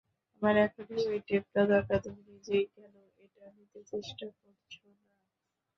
আমার এখনই ঐ টেপটা দরকার তুমি নিজেই কেনো এটা নিতে চেষ্টা করছোনা?